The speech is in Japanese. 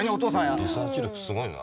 リサーチ力すごいな。